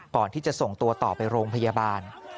ก่อนที่จะส่งตัวต่อไปโรงพยาบาล